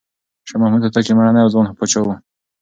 شاه محمود هوتک یو مېړنی او ځوان پاچا و.